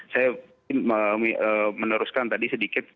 saya meneruskan tadi sedikit